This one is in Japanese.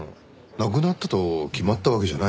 亡くなったと決まったわけじゃないですよね？